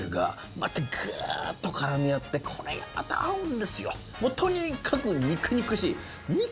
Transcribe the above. またぐっと絡み合ってこれがまた合うんですよ。